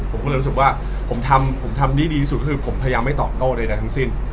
ผมก็เลยรู้สึกว่าผมทำผมทำดีที่สุดก็คือผมพยายามไม่ตอบโต้ใดทั้งสิ้น